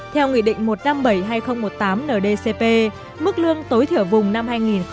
theo nghị định một trăm năm mươi bảy hai nghìn một mươi tám ndcp mức lương tối thiểu vùng năm hai nghìn một mươi tám